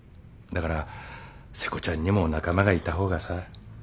だから瀬古ちゃんにも仲間がいた方がさ。